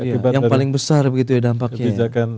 yang paling besar begitu ya dampaknya